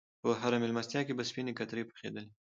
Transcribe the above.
په هره میلمستیا کې به سپینې کترې پخېدلې.